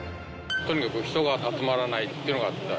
とにかく人が集まらないっていうのがあった。